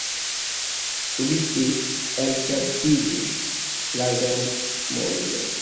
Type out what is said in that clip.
Subite elĉerpiĝis la vermoj.